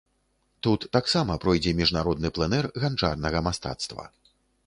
Тут таксама пройдзе міжнародны плэнэр ганчарнага мастацтва.